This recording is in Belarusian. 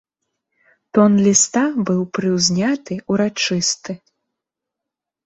Тон ліста быў прыўзняты, урачысты.